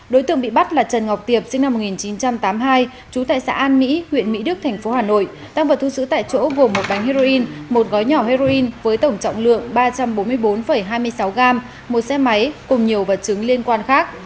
đối tượng bị bắt là trần ngọc tiệp sinh năm một nghìn chín trăm tám mươi hai trú tại xã an mỹ huyện mỹ đức thành phố hà nội tăng vật thu giữ tại chỗ gồm một bánh heroin một gói nhỏ heroin với tổng trọng lượng ba trăm bốn mươi bốn hai mươi sáu gram một xe máy cùng nhiều vật chứng liên quan khác